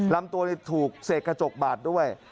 ลำตัวถูกเสกกระจกบาดด้วย